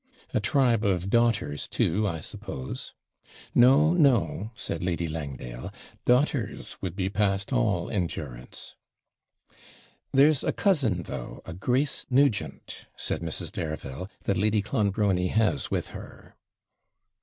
'A tribe of daughters, too, I suppose?' 'No, no,' said Lady Langdale, 'daughters would be past all endurance.' 'There's a cousin, though, a Grace Nugent,' said Mrs. Dareville, 'that Lady Clonbrony has with her.'